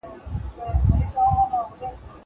زه به پاکوالي ساتلي وي!!